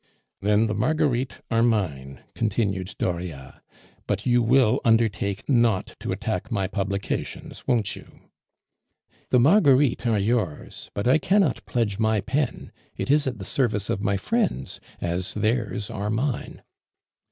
"Then the Marguerites are mine," continued Dauriat; "but you will undertake not to attack my publications, won't you?" "The Marguerites are yours, but I cannot pledge my pen; it is at the service of my friends, as theirs are mine."